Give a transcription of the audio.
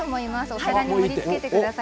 お皿に盛りつけてください。